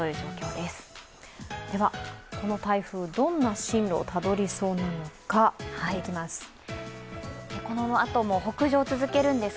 では、この台風、どんな進路をたどりそうなのか見ていきます。